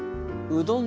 うどん？